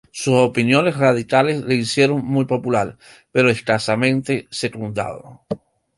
Sus opiniones radicales le hicieron muy popular, pero escasamente secundado.